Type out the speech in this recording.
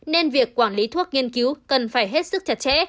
nên việc quản lý thuốc nghiên cứu cần phải hết sức chặt chẽ